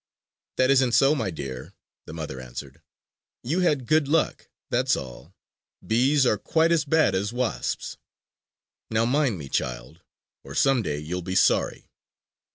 "That isn't so, my dear!" the mother answered. "You had good luck, that's all. Bees are quite as bad as wasps. Now mind me, child, or some day you'll be sorry."